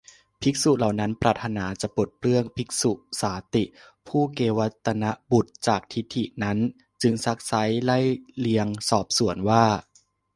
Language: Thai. ภิกษุเหล่านั้นปรารถนาจะปลดเปลื้องภิกษุสาติ ผู้เกวัฏฏบุตรจากทิฏฐินั้นจึงซักไซ้ ไล่เลียงสอบสวนว่า